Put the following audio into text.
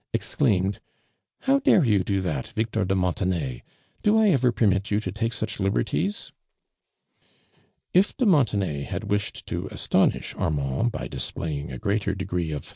exclaimed :" iiow dare you do that, Victor de Mon tenay? Do I ever permit you to take such liberties?" If de Montenay had wisliod to astonish Armand, by displaying a greater degree ot 26 ARMAND l)UKANI>.